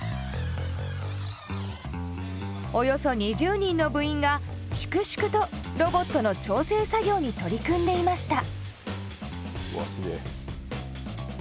およそ２０人の部員が粛々とロボットの調整作業に取り組んでいました。